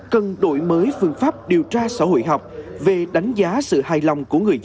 cần đổi mới phương pháp điều tra xã hội học về đánh giá sự hài lòng của người dân